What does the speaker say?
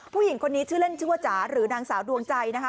ผู้หญิงคนนี้ชื่อเล่นชื่อว่าจ๋าหรือนางสาวดวงใจนะคะ